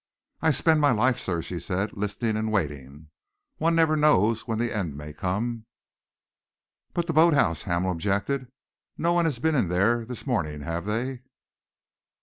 "I spend my life, sir," she said, "listening and waiting. One never knows when the end may come." "But the boat house," Hamel objected. "No one has been in there his morning, have they?"